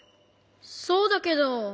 そうだけど。